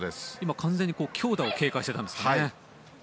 完全に強打を警戒していたのでしょうか。